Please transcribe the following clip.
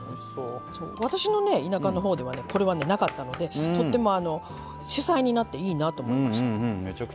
私の田舎のほうではなかったのでとっても主菜になっていいなと思いました。